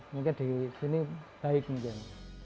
mungkin di sini baik mungkin